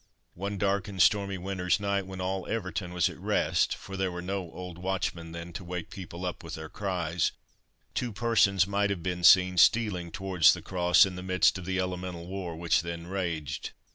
One dark and stormy winter's night, when all Everton was at rest for there were no old watchmen then to wake people up with their cries two persons might have been seen stealing towards the Cross, in the midst of the elemental war which then raged.